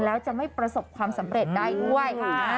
แล้วจะไม่ประสบความสำเร็จได้ด้วย